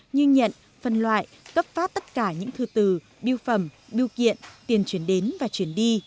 như nhận phân loại cấp phát tất cả những thư từ biêu phẩm biêu kiện tiền chuyển đến và chuyển đi